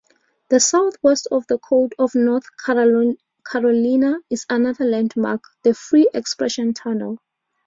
Southwest of the Court of North Carolina is another landmark, the Free Expression Tunnel.